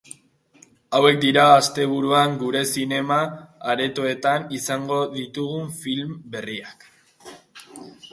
Hauek dira asteburuan gure zinema aretoetan izango ditugun film berriak.